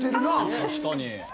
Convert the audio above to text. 確かに。